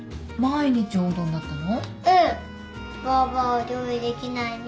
ばあばはお料理できないの？